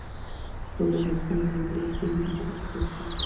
দাদার কাছে নবীনের শিশুকাল থেকে অত্যন্ত একটা ভীরুতা আছে।